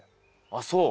あっそう。